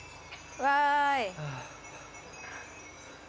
わい。